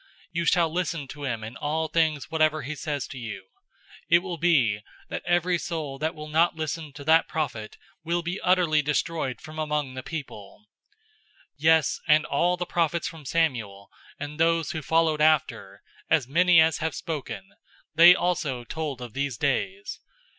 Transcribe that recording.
You shall listen to him in all things whatever he says to you. 003:023 It will be, that every soul that will not listen to that prophet will be utterly destroyed from among the people.'{Deuteronomy 18:15,18 19} 003:024 Yes, and all the prophets from Samuel and those who followed after, as many as have spoken, they also told of these days.